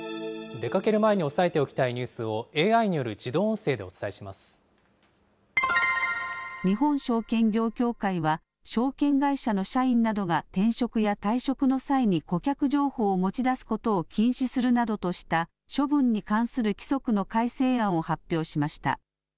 出かける前に押さえておきたいニュースをＡＩによる自動音声日本証券業協会は、証券会社の社員などが転職や退職の際に顧客情報を持ち出すことを禁止するなどとした、処分に関する規則の改正案を発表しました。